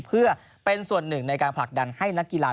เพื่อเป็นส่วนหนึ่งในการผลักดันให้นักกีฬา